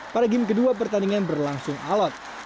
pada game kedua pertandingan berlangsung alot